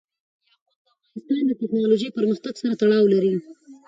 یاقوت د افغانستان د تکنالوژۍ پرمختګ سره تړاو لري.